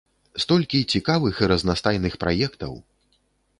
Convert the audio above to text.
Столькі цікавых і разнастайных праектаў.